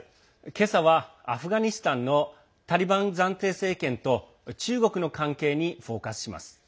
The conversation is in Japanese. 今朝は、アフガニスタンのタリバン暫定政権と中国の関係にフォーカスします。